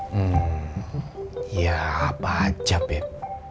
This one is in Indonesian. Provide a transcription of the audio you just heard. hmm ya apa aja beb